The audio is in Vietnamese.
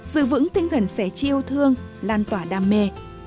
giữ vững tinh thần sẻ chia yêu thương lan tỏa đam mê